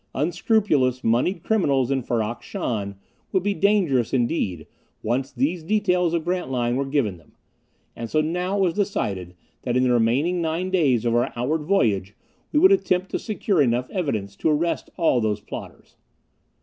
Unscrupulous, moneyed criminals in Ferrok Shahn would be dangerous indeed, once these details of Grantline were given them. And so now it was decided that in the remaining nine days of our outward voyage, we would attempt to secure enough evidence to arrest all these plotters.